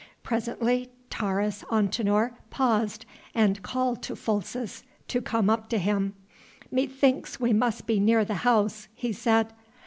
Presently Taurus Antinor paused and called to Folces to come up to him. "Methinks we must be near the house," he said.